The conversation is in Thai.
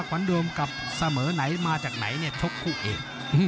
ขวัญโดมกับเสมอไหนมาจากไหนเนี่ยชกคู่เอก